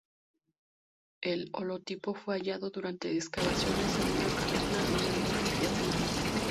El holotipo fue hallado durante excavaciones en una caverna en el Monte Etna.